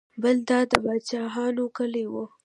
بل دا د پاچاهانو کلی و.